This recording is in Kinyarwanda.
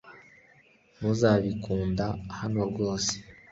ntuzabikunda hano rwose